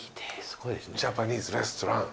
ジャパニーズレストラン。